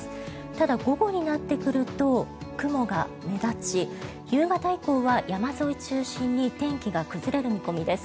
ただ午後になってくると雲が目立ち夕方以降は山沿い中心に天気が崩れる見込みです。